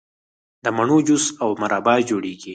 د مڼو جوس او مربا جوړیږي.